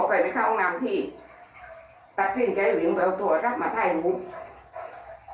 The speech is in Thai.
ก็ไปเข้าห้องน้ำที่ตัดสิ้นจะอยู่อย่างเบาตัวรับมาไถ่หุบ